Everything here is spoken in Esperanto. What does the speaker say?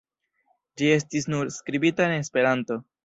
Ĝi estis nur skribita en Esperanto.